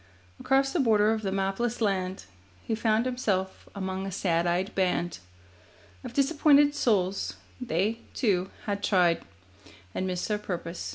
Across the border of the mapless land He found himself among a sad eyed band Of disappointed souls; they, too, had tried And missed their purpose.